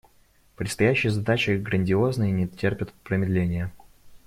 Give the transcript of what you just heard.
Предстоящие задачи грандиозны и не терпят промедления.